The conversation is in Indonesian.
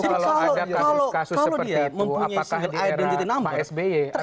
kalau dia mempunyai single identity number